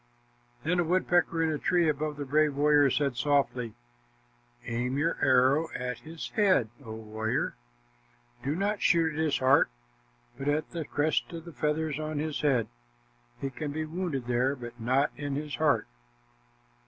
Then a woodpecker in a tree above the brave warrior said softly, "Aim your arrow at his head, O warrior! Do not shoot at his heart, but at the crest of feathers on his head. He can be wounded there, but not in his heart."